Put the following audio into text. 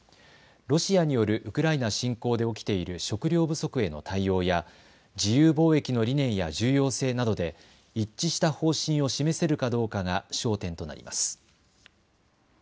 ロシアによるウクライナ侵攻で起きている食料不足への対応や自由貿易の理念や重要性などで一致した方針を示せるかどうかが焦点となります。